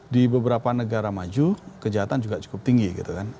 di beberapa negara maju kejahatan juga cukup tinggi gitu kan